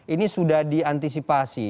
ini sudah diantisipasi